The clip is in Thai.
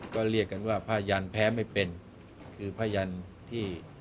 ก็เรียกกันว่าผ้ายันแพ้ไม่เป็นคือผ้ายันที่